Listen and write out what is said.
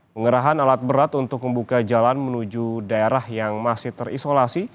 pengerahan alat berat untuk membuka jalan menuju daerah yang masih terisolasi